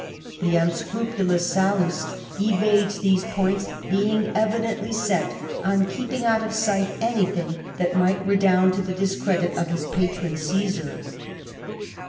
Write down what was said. The unscrupulous Sallust evades these points, being evidently set on keeping out of sight anything that might redound to the discredit of his patron Caesar.